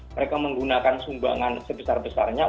mereka menggunakan sumbangan sebesar besarnya